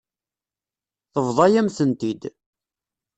Tebḍa-yam-tent-id.